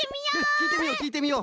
きいてみようきいてみよう！